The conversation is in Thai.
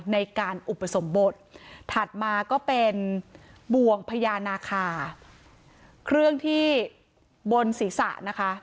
ในการอุปสมบทถัดมาก็เป็นบ่วงพญานาคาเครื่องที่บนศีรษะนะคะ